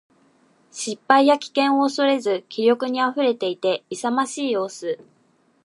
失敗や危険を恐れず気力に溢れていて、勇ましい様子。